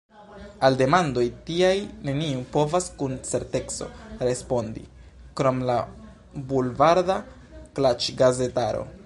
Al demandoj tiaj neniu povas kun certeco respondi – krom la bulvarda klaĉgazetaro.